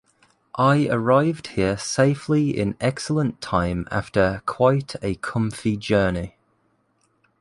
I arrived here safely in excellent time after quite a comfy journey.